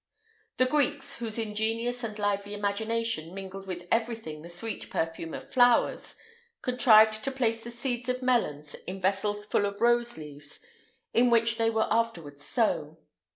The Greeks, whose ingenious and lively imagination mingled with everything the sweet perfume of flowers, contrived to place the seeds of melons in vessels full of rose leaves, with which they were afterwards sown.